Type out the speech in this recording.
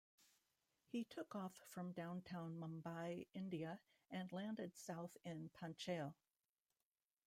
He took off from downtown Mumbai, India, and landed south in Panchale.